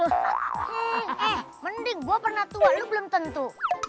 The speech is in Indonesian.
eh mending gue pernah tua dulu belum tentu